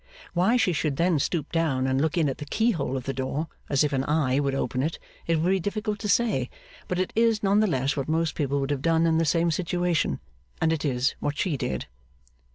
Why she should then stoop down and look in at the keyhole of the door as if an eye would open it, it would be difficult to say; but it is none the less what most people would have done in the same situation, and it is what she did.